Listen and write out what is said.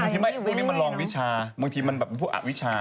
ที่ไม่พวกนี้มันลองวิชาบางทีมันแบบพวกอวิชา